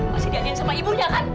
masih diajarin sama ibunya kan